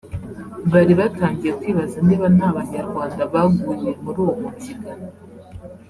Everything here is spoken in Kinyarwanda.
bari batangiye kwibaza niba nta banyarwanda baguye muri uwo mubyigano